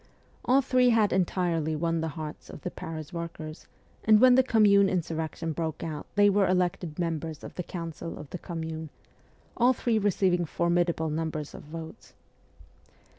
All three had entirely won the hearts of the Paris workers, and when the Commune insurrec tion broke out they were elected members of the Council of the Commune, all three receiving formidable numbers of votes.